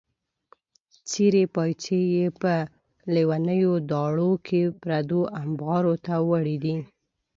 څېرې پایڅې یې په لیونیو داړو کې پردو امبارو ته وړې دي.